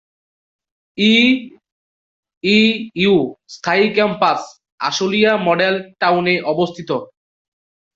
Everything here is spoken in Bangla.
ইইউ স্থায়ী ক্যাম্পাস আশুলিয়া মডেল টাউনে অবস্থিত।